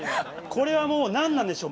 これはもう何なんでしょう